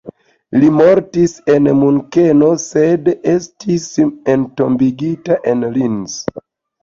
Li mortis en Munkeno, sed estis entombigita en Linz.